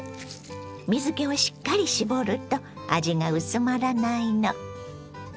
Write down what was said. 水けをしっかり絞ると味が薄まらないの。